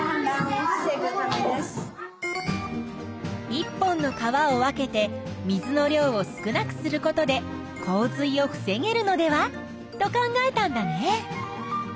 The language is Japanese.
１本の川を分けて水の量を少なくすることで洪水を防げるのではと考えたんだね。